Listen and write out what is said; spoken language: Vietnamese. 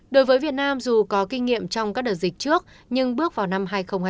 đối với việt nam dù có kinh nghiệm trong các đợt dịch trước nhưng bước vào năm hai nghìn hai mươi